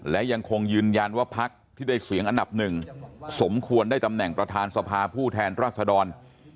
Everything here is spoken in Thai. และยังคงยืนยันว่าพักที่ได้เสียงอันดับหนึ่งสมควรได้ตำแหน่งประธานสภาผู้แทนรัศดร